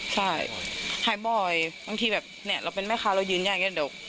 ใช่หายบ่อยบางทีแบบเนี่ยเราเป็นแม่ค้าเรายืนยากอย่างนี้เดี๋ยว